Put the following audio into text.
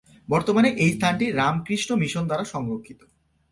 বর্তমানে এই স্থানটি রামকৃষ্ণ মিশন দ্বারা সংরক্ষিত।